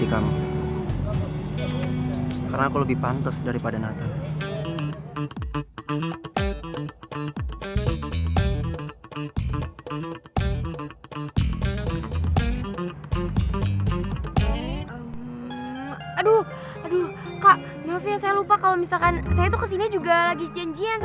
kak dinda ngapain disini sendirian